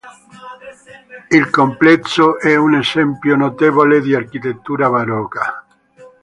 Il complesso è un esempio notevole di architettura barocca.